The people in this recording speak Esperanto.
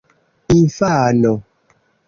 infano